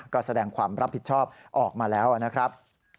ก็แสดงความรับผิดชอบออกมาแล้วนะครับ